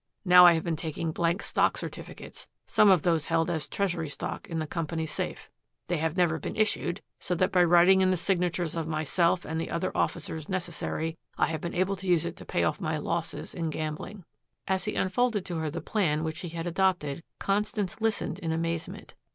Now I have been taking blank stock certificates, some of those held as treasury stock in the company's safe. They have never been issued, so that by writing in the signatures of myself and the other officers necessary, I have been able to use it to pay off my losses in gambling." As he unfolded to her the plan which he had adopted, Constance listened in amazement.